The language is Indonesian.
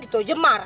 gitu aja marah